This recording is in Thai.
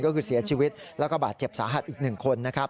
ก็คือเสียชีวิตแล้วก็บาดเจ็บสาหัสอีก๑คนนะครับ